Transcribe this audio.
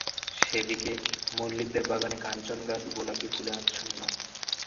সে দিকে মল্লিকদের বাগানে কাঞ্চনগাছ গোলাপি ফুলে আচ্ছন্ন।